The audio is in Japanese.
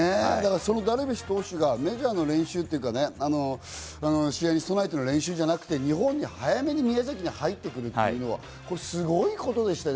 ダルビッシュ投手がメジャーの練習というか、試合に備えての練習じゃなくて、日本に早めに宮崎に入ってくるというのは、これすごい事でしたね。